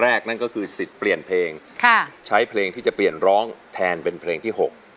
นั่นก็คือสิทธิ์เปลี่ยนเพลงใช้เพลงที่จะเปลี่ยนร้องแทนเป็นเพลงที่๖